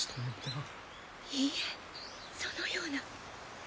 ・いいえそのような！